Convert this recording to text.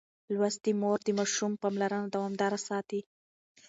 لوستې مور د ماشوم پاملرنه دوامداره ساتي.